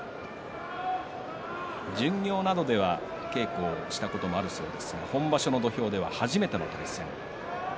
巡業などでは稽古をしたこともあるそうですが本場所の土俵では初めての対戦です。